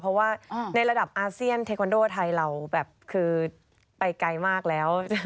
เพราะว่าในระดับอาเซียนเทคอนโดไทยเราแบบคือไปไกลมากแล้ว